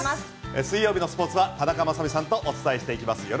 水曜日のスポーツは田中雅美さんとお伝えしていきます。